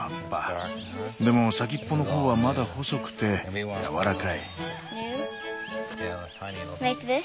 でも先っぽの方はまだ細くてやわらかい。